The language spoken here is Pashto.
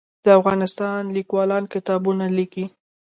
د افغانستان لیکوالان کتابونه لیکي